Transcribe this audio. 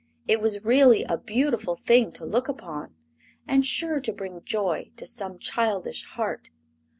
It was really a beautiful thing to look upon, and sure to bring joy to some childish heart.